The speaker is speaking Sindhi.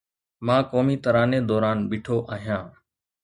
مان قومي تراني دوران بيٺو آهيان